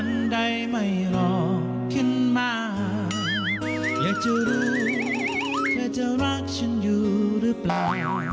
อยากจะรู้แค่จะรักฉันอยู่หรือเปล่า